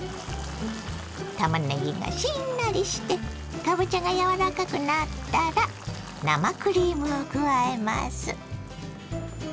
たまねぎがしんなりしてかぼちゃが柔らかくなったら生クリームを加えます。